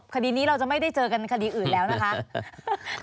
คดีนี้เราจะไม่ได้เจอกันคดีอื่นแล้วนะคะ